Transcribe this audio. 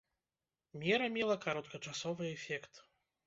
Мера мела кароткачасовы эфект.